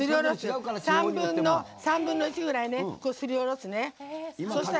３分の１ぐらいね、すりおろすね。